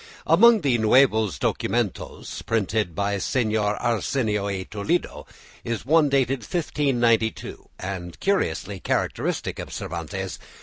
Among the "Nuevos Documentos" printed by Señor Asensio y Toledo is one dated 1592, and curiously characteristic of Cervantes.